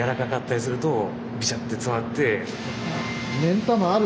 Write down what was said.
目ん玉ある。